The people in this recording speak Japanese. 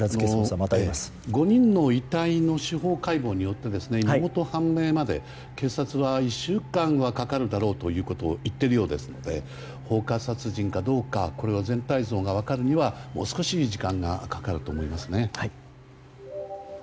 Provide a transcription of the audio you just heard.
５人の遺体の司法解剖によって身元判明まで警察は１週間はかかるだろうということを言っているようですので放火殺人かどうか全体像が分かるまでにはもう少し時間がかかると思いますね。